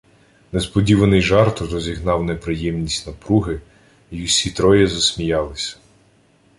Несподіваний жарт розігнав неприємність напруги, й усі троє засміялися.